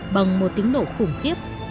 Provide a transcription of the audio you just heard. bằng một tính độ khủng khiếp